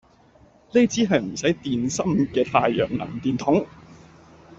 呢支係唔使電芯嘅太陽能電筒